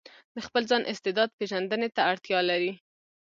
د خپل ځان استعداد پېژندنې ته اړتيا لري.